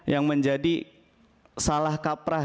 yang menjadi salah kaprah